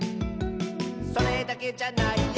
「それだけじゃないよ」